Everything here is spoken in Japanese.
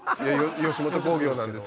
吉本興業なんですけど。